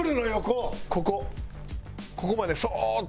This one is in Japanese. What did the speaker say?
ここまでそーっと。